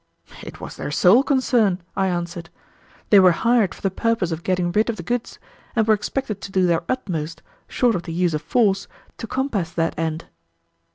"It was their sole concern," I answered. "They were hired for the purpose of getting rid of the goods, and were expected to do their utmost, short of the use of force, to compass that end."